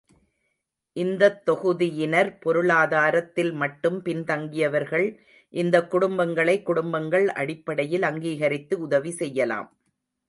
இந்தத் தொகுதியினர் பொருளாதாரத்தில் மட்டும் பின் தங்கியவர்கள், இந்தக் குடும்பங்களை, குடும்பங்கள் அடிப்படையில் அங்கீகரித்து உதவி செய்யலாம்.